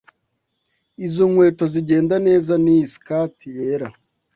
Izo nkweto zigenda neza niyi skirt yera.